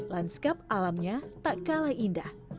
lanskap alamnya tak kalah indah